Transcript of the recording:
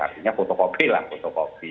artinya fotokopi lah fotokopi